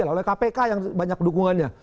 oleh kpk yang banyak dukungannya